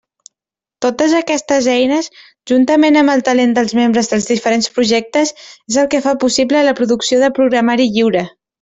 Totes aquestes eines, juntament amb el talent dels membres dels diferents projectes, és el que fa possible la producció de programari lliure.